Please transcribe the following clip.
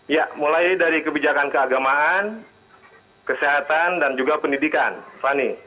ya mulai dari kebijakan keagamaan kesehatan dan juga pendidikan fani